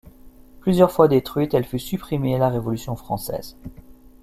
Plusieurs fois détruite, elle fut supprimée à la Révolution française.